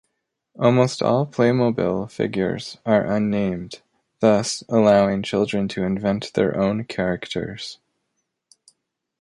Almost all Playmobil figures are unnamed, thus allowing children to invent their own characters.